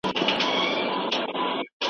ماشوم په ګرمو اوبو پریمنځئ.